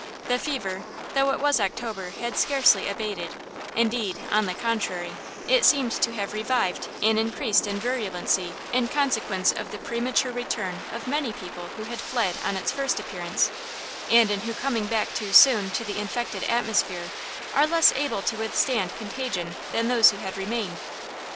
The fever, though it was October, had scarcely abated; indeed, on the contrary, it seemed to have revived and increased in virulency in consequence of the premature return of many people who had fled on its first appearance, and who in coming back too soon to the infected atmosphere, were less able to withstand contagion than those who had remained.